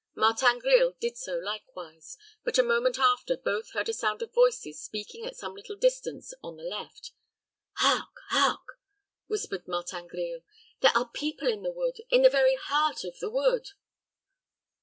Martin Grille did so likewise; but a moment after both heard a sound of voices speaking at some little distance on the left. "Hark! hark!" whispered Martin Grille. "There are people in the wood in the very heart of the wood."